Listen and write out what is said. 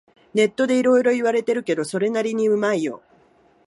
ネットでいろいろ言われてるけど、それなりにうまいよ